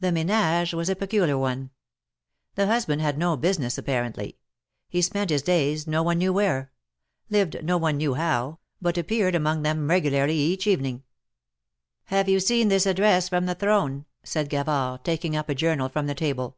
The manage was a peculiar one. The husband had no business apparently ; he spent his days no one knew where; lived no one knew how, but appeared among them regularly each evening. Have you seen this Address from the Throne ?" said Gavard, taking up a journal from the table.